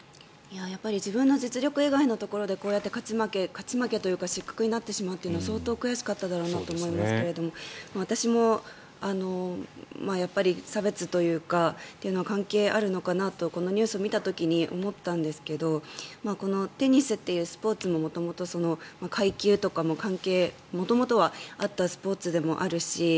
やっぱり自分の実力以外のところでこうやって勝ち負け勝ち負けというか失格になってしまうのは相当悔しかっただろうなと思いますが私も差別というかというのは関係あるのかなとこのニュースを見た時に思ったんですがこのテニスというスポーツも階級とかも元々はあったスポーツでもあるし